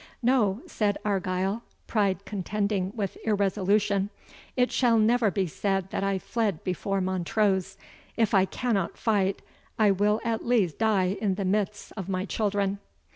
"No," said Argyle, pride contending with irresolution, "it shall never be said that I fled before Montrose; if I cannot fight, I will at least die in the midst of my children."